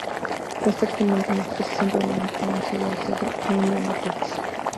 Está actualmente en la exposición permanente del Museo de Arte de Indianapolis.